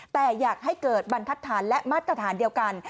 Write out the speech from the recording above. แต่อยากให้เกิดบันทธารณ์และม้ัดกฐานเดียวกัน